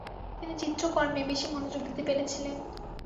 তিনি চিত্র কর্মে বেশি মনোযোগ দিতে পেরেছিলেন।